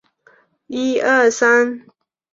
也属将军澳填海区较早建屋及迁入的楼宇。